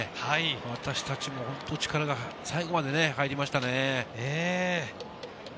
私達も本当に力が最後まで入りましたね。